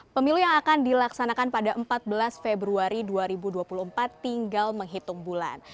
pemilu yang akan dilaksanakan pada empat belas februari dua ribu dua puluh empat tinggal menghitung bulan